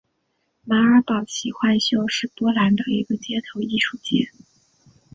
马尔堡奇幻秀是波兰的一个街头艺术节。